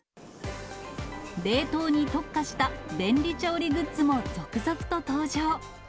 冷凍に特化した便利調理グッズも続々と登場。